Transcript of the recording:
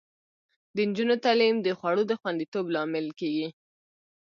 د نجونو تعلیم د خوړو د خوندیتوب لامل کیږي.